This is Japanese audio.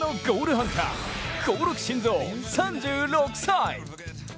ハンター興梠慎三３６歳。